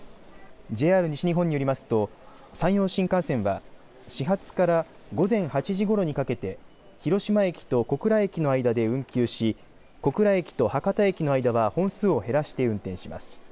ＪＲ西日本によりますと山陽新幹線は始発から午前８時ごろにかけて広島駅と小倉駅の間で運休し小倉駅と博多駅の間は本数を減らして運転します。